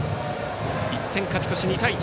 １点勝ち越し、２対１。